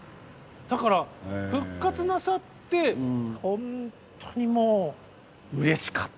だから復活なさってほんとにもううれしかったの覚えてますね。